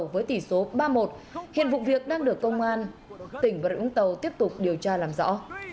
với tỷ số ba một hiện vụ việc đang được công an tp bà rịa tiếp tục điều tra làm rõ